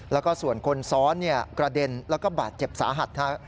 แล้วก็ส่วนคนซ้อนกระเด็นแล้วก็บาดเจ็บสาหัส